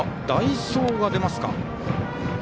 代走が出ますか。